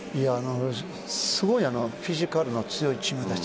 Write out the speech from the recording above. すごいフィジカルが強いチームだし。